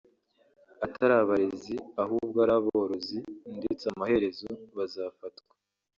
atari abarezi ahubwo ari ‘abarozi’ ndetse amaherezo bazafatwa